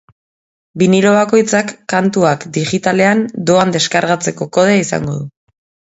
Binilo bakoitzak kantuak digitalean doan deskargatzeko kodea izango du.